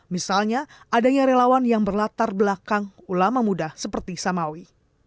misalnya adanya relawan yang berlatar belakang ulama muda seperti samawi